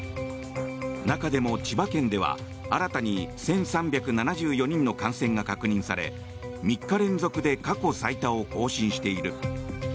中でも千葉県では新たに１３７４人の感染が確認され３日連続で過去最多を更新している。